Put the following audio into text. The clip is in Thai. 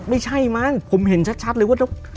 ไม่ใช่มั้งผมเห็นชัดเลยว่า